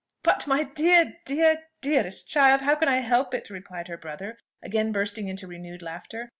"But, my dear, dear, dearest child! how can I help it?" replied her brother, again bursting into renewed laughter.